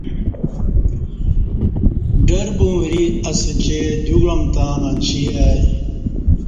ڈربوں وری اسہ چہ دیوگعام تاں منچی ای